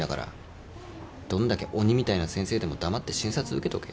どんだけ鬼みたいな先生でも黙って診察受けとけ。